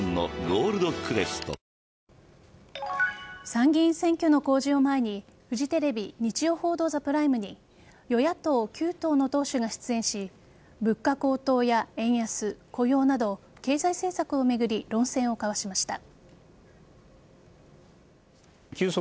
参議院選挙の公示を前にフジテレビ「日曜報道ＴＨＥＰＲＩＭＥ」に与野党９党の党首が出演し物価高騰や円安、雇用など経済政策を巡り論戦を交わしました。